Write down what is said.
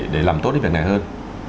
để làm tốt đến việc này hơn